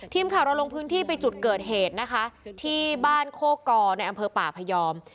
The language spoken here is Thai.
ทีมข่าวเราลงพื้นที่ไปจุดเกิดเหตุนะคะที่บ้านโคกอในอำเภอป่าพยอม